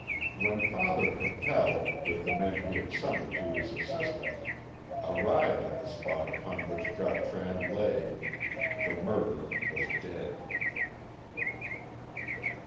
When Father Capel, with the men he had summoned to his assistance, arrived at the spot upon which Gautran lay, the murderer was dead.